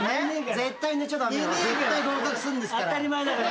絶対合格するんですから。